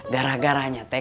gara gara teh kang aceh telah